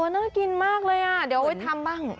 น่ากินมากเลยอ่ะเดี๋ยวไว้ทำบ้าง